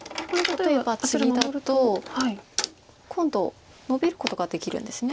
例えばツギだと今度ノビることができるんです。